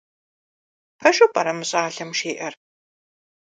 Пэжу пӀэрэ мы щӏалэм жиӀэр?